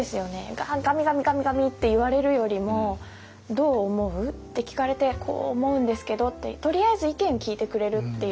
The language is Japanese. ガミガミガミガミって言われるよりも「どう思う？」って聞かれて「こう思うんですけど」ってとりあえず意見聞いてくれるっていう。